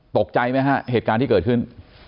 ตกใจไหมฮะเหตุการณ์ที่เกิดขึ้น